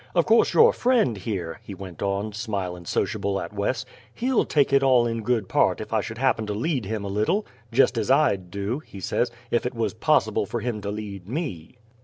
Of course, your friend here," he went on, smilin' sociable at Wes, "he'll take it all in good part ef I should happen to lead him a little jest as I'd do," he says, "ef it wuz possible fer him to lead me."